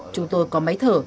chúng tôi có máy thở